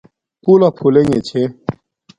پھُلݳ پھُلݵݣݺ چھݺ.